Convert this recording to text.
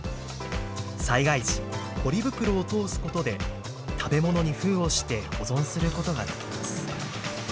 災害時、ポリ袋を通すことで食べ物に封をして保存することができます。